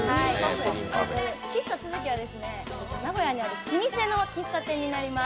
喫茶ツヅキは名古屋にある老舗の喫茶店になります。